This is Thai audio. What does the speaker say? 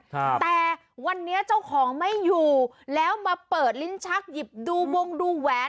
แต่วันนี้เจ้าของไม่อยู่แล้วมาเปิดลิ้นชักหยิบดูวงดูแหวน